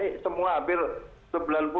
agak agak seperti batok itu